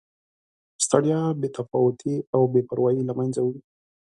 ستړیا، بې تفاوتي او بې پروایي له مینځه وړي.